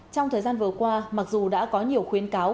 trong thời gian vừa qua mặc dù đã có nhiều khuyến cáo